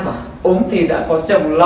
bảo ốm thì đã có chồng lo